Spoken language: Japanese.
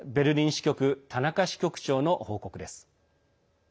支局田中支局長の報告です。